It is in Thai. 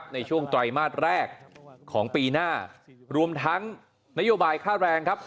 ในช่วงไตรมาสแรกของปีหน้ารวมทั้งนโยบายค่าแรงครับ